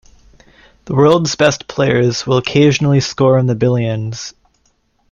The world's best players will occasionally score in the billions.